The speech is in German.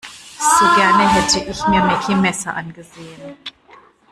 So gerne hätte ich mir Meckie Messer angesehen.